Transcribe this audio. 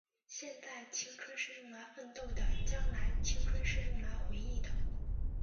现在，青春是用来奋斗的；将来，青春是用来回忆的。